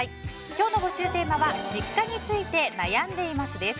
今日の募集テーマは実家について悩んでいますです。